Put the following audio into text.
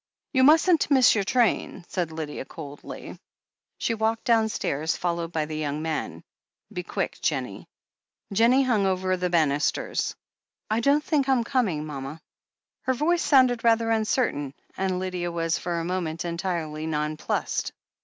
"You mustn't miss your train," said Lydia coldly. She walked downstairs, followed by the yoimg man. "Be quick, Jennie." Jennie hung over the banisters. 'I don't think I'm coming, mama." <r THE HEEL OF ACHILLES 389 Her voice sotmded rather uncertain, and Lydia was for a moment entirely nonplussed.